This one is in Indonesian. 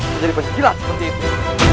menjadi penjilat seperti itu